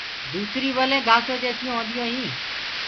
دوسري ولينٚ گھاسو جيسونٚ هونديو هينٚ۔